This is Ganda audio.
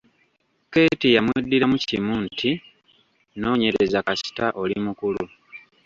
Keeti yamweddiramu kimu nti, “Nonyereza kasita oli mukulu”.